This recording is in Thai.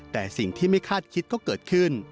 แต่สิ่งที่ไม่คาดคิดก็เกิดขึ้น